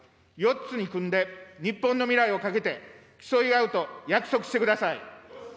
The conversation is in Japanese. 四つに組んで、日本の未来をかけて、競い合うと約束してください。